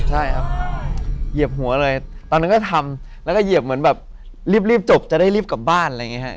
ใช่ครับเหยียบหัวเลยตอนนั้นก็ทำแล้วก็เหยียบเหมือนแบบรีบจบจะได้รีบกลับบ้านอะไรอย่างนี้ครับ